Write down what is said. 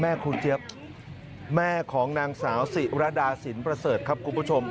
ครูเจี๊ยบแม่ของนางสาวศิรดาสินประเสริฐครับคุณผู้ชม